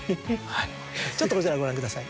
ちょっとこちらをご覧ください。